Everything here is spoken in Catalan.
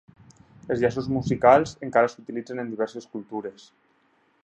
Els llaços musicals encara s'utilitzen en diverses cultures.